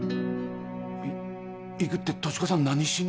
い行くって俊子さん何しに？